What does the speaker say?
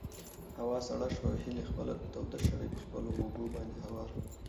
هوا سړه شوه او هیلې خپله توده شړۍ په خپلو اوږو باندې هواره کړه.